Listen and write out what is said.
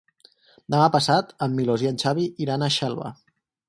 Demà passat en Milos i en Xavi iran a Xelva.